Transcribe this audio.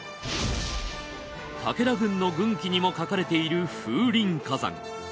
武田軍の軍旗にも書かれている風林火山。